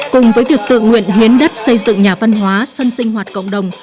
cùng với việc tự nguyện hiến đất xây dựng nhà văn hóa sân sinh hoạt cộng đồng